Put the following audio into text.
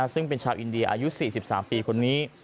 ซึ่งเป็นชาวอินเดียอายุ๔๓ปีคนนี้